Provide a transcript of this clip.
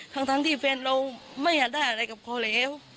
ทั้งที่แฟนเราไม่อยากได้อะไรกับเขาแล้ว